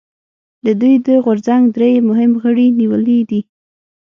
د دوی د غورځنګ درې مهم غړي نیولي دي